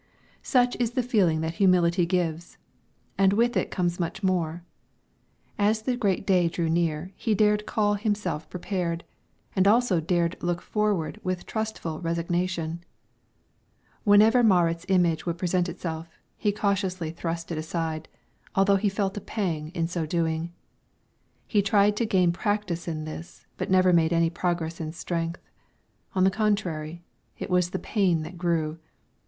Such is the feeling that humility gives, and with it comes much more. As the great day drew near he dared call himself prepared, and also dared look forward with trustful resignation. Whenever Marit's image would present itself, he cautiously thrust it aside, although he felt a pang in so doing. He tried to gain practice in this, but never made any progress in strength; on the contrary, it was the pain that grew.